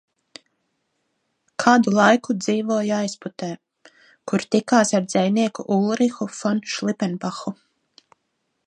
Kādu laiku dzīvoja Aizputē, kur tikās ar dzejnieku Ulrihu fon Šlipenbahu.